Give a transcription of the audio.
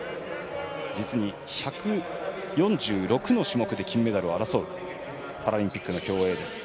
実に１４６の種目で金メダルを争うパラリンピックの競泳です。